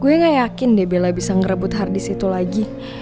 gue gak yakin deh bella bisa ngerebut hard disk itu lagi